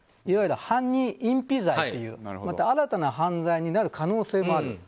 いわゆる犯罪隠避罪という新たな犯罪になる可能性もある。